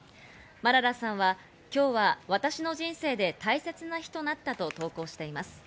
マララさんは今日は私の人生で大切な日となったと投稿しています。